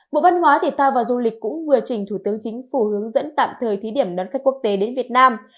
bộ văn hóa thể thao và du lịch cũng vừa trình thủ tướng chính phủ hướng dẫn tạm thời thí điểm đón khách quốc tế đến việt nam